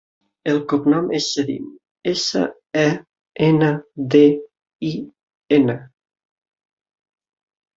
El cognom és Sendin: essa, e, ena, de, i, ena.